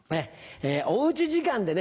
おうち時間でね